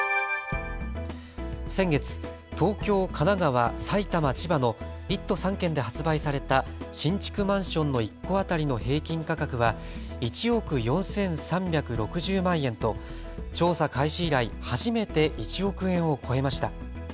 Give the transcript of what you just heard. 先月、東京、神奈川、埼玉、千葉の１都３県で発売された新築マンションの１戸当たりの平均価格は１億４３６０万円と調査開始以来、初めて１億円を超えました。